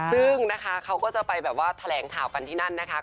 ซึ่งนะคะเขาก็จะไปแบบว่าแถลงข่าวกันที่นั่นนะคะ